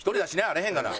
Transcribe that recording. あれへんがな。